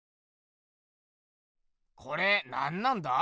これなんなんだ？